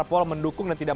oleh banyak pihak